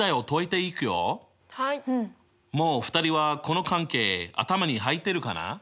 もう２人はこの関係頭に入ってるかな？